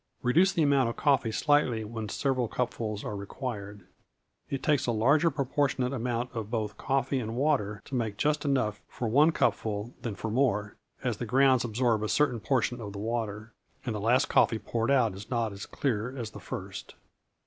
Reduce the amount of coffee slightly when several cupfuls are required. It takes a larger proportionate amount of both coffee and water to make just enough for one cupful than for more, as the grounds absorb a certain portion of the water, and the last coffee poured out is not as clear as the first.